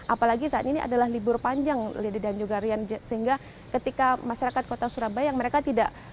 apalagi saat ini adalah libur panjang lady dan juga rian sehingga ketika masyarakat kota surabaya mereka tidak